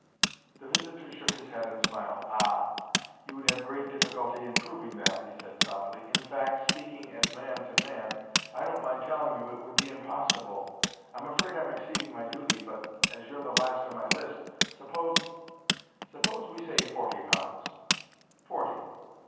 The visitor shook his head and smiled. "Ah! you would have great difficulty in proving that," he said, softly; "in fact, speaking as man to man, I don't mind telling you it would be impossible. I'm afraid I'm exceeding my duty, but, as you're the last on my list, suppose—suppose we say forty pounds. Forty!